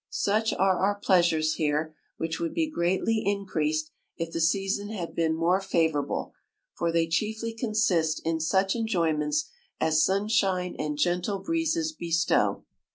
Such are our pleasures here, which would be greatly increased if the sea son had been more favourable, for they chiefly consist in such enjoyments as sunshine and gentle breezes bestow.